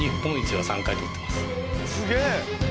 すげえ。